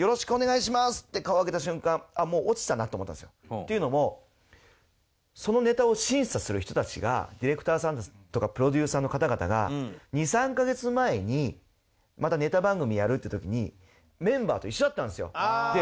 っていうのもそのネタを審査する人たちがディレクターさんとかプロデューサーの方々が２３カ月前にまたネタ番組やるっていう時にメンバーと一緒だったんですよ。